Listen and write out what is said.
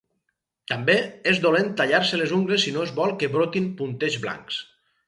També és dolent tallar-se les ungles si no es vol que brotin puntets blancs.